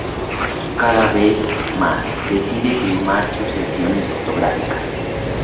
Cada vez más, decide filmar sus sesiones fotográficas.